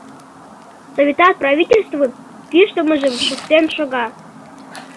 Советат правительствын кӱштымыжым шуктен шога.